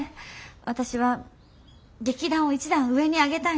私は劇団を一段上に上げたいの。